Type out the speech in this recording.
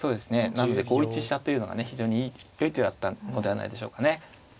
なので５一飛車というのがね非常によい手だったのではないでしょうかね。